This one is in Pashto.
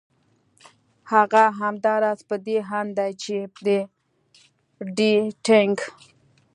هغه همدا راز په دې اند ده چې د ډېټېنګ